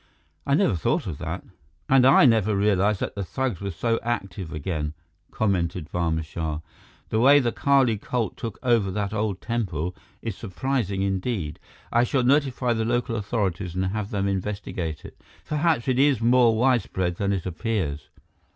"I never thought of that." "And I never realized that the thugs were so active again," commented Barma Shah. "The way the Kali cult took over that old temple is surprising indeed. I shall notify the local authorities and have them investigate it. Perhaps it is more widespread than it appears."